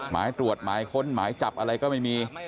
หมายตรวจหมายค้นหมายจับอะไรก็ไม่มี